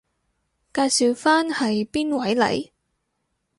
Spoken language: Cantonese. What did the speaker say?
介紹返係邊位嚟？